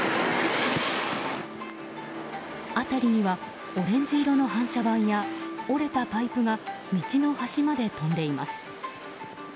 辺りにはオレンジ色の反射板や折れたパイプが道の端まで飛んでいます。